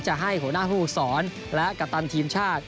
จะให้หัวหน้าผู้สอนและกัปตันทีมชาติ